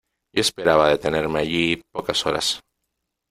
yo esperaba detenerme allí pocas horas .